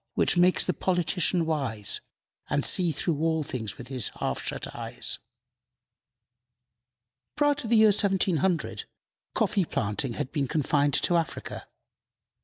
which makes the politician wise, And see through all things with his half shut eyes!" Prior to the year 1700, coffee planting had been confined to Africa.